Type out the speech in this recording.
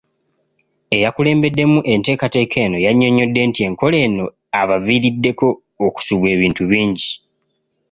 Eyakulembeddemu enteekateeka eno yannyonnyodde nti enkola eno abaviiriddeko okusubwa ebintu bingi.